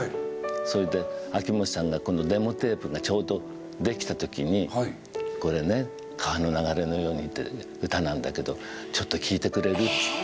それで秋元さんがこのデモテープがちょうどできた時に「これね『川の流れのように』って歌なんだけどちょっと聴いてくれる？」っつって。